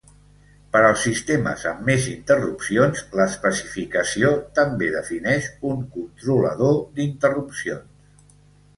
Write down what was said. Per als sistemes amb més interrupcions, l'especificació també defineix un controlador d'interrupcions.